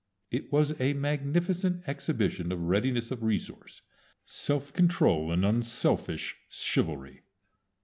It was a magnificent exhibition of readiness of resource, self control, and unselfish chivalry.